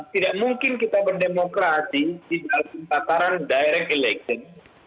tidak mungkin kita berdemokrasi di dalam tataran direct election